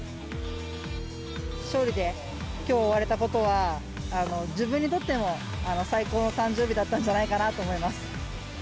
勝利できょう終われたことは自分にとっても、最高の誕生日だったんじゃないかなと思います。